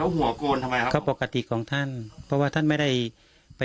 แล้วหลักคำสอนอะไรครับผม